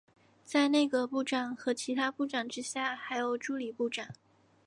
在内阁部长和其他部长之下还有助理部长。